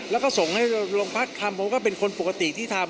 แล้วก็ส่งให้โรงพักคำผมก็เป็นคนปกติที่ทำ